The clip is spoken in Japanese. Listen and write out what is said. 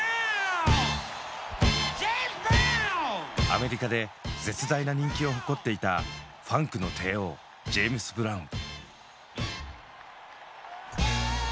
アメリカで絶大な人気を誇っていたファンクの帝王ジェームス・ブラウン。